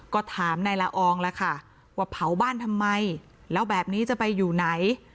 ก็ถามนายละอองแล้วค่ะว่าเผาบ้านทำไมแล้วแบบนี้จะไปอยู่ไหน